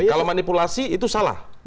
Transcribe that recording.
kalau manipulasi itu salah